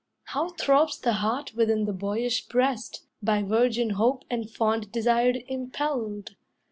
How throbs the heart within the boyish breast, By virgin hope and fond desire impelled!